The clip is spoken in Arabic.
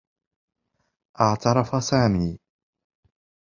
اعترف سامي.